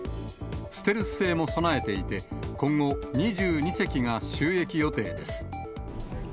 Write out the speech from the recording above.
ステルス性も備えていて、今後、２２隻が就役予定です。